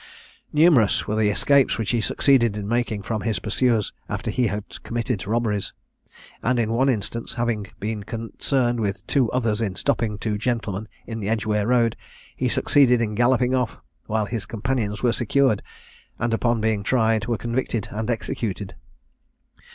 Numerous were the escapes which he succeeded in making from his pursuers, after he had committed robberies; and, in one instance, having been concerned with two others in stopping two gentlemen in the Edgeware Road, he succeeded in galloping off, while his companions were secured, and upon being tried were convicted and executed.